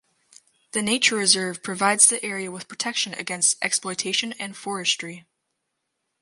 The nature reserve provides the area with protection against exploitation and forestry.